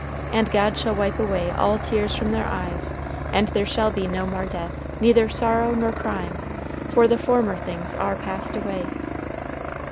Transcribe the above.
And God shall wipe away all tears from their eyes; and there shall be no more death, neither sorrow nor crying, for the former things are passed away."